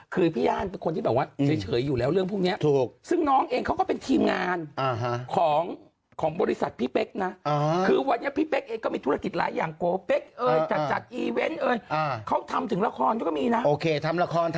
คุณไม่ได้ขอใครนะคุณไม่ได้เล่าก่อนฉันมีมารยาทค่ะฉันได้ศึกษามารยาท